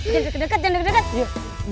jangan deket jangan deket jangan deket